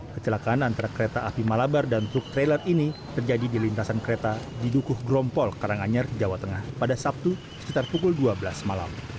kecelakaan antara kereta api malabar dan truk trailer ini terjadi di lintasan kereta di dukuh grompol karanganyar jawa tengah pada sabtu sekitar pukul dua belas malam